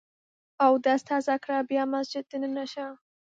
اودس تازه کړه ، بیا مسجد ته دننه سه!